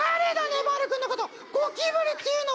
ねばる君のことゴキブリっていうのは！